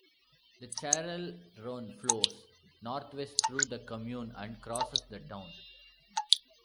The Chalaronne flows northwest through the commune and crosses the town.